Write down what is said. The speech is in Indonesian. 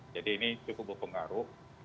jadi ini cukup berpengaruh